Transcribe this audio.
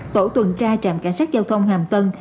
tổ tuần tra trạm cảnh sát giao thông hàm tân